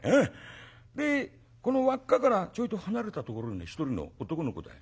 でこの輪っかからちょいと離れたところに一人の男の子だい